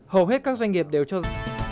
hầu hết các doanh nghiệp đều cho rằng